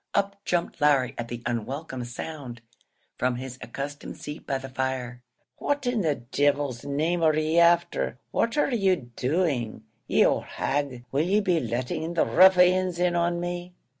Up jumped Larry at the unwelcome sound, from his accustomed seat by the fire. "What in the divil's name are ye afther? What are ye doing? Ye owld hag, will ye be letting the ruffians in on me?"